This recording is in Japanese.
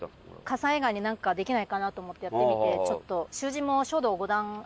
傘以外になんかできないかなと思ってやってみてちょっと習字も書道５段あるんで。